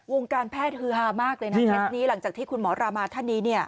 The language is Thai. การแพทย์ฮือฮามากเลยนะเคสนี้หลังจากที่คุณหมอรามาท่านนี้